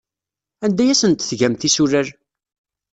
Anda ay asent-tgam tisulal?